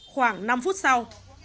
khoảng năm phút sau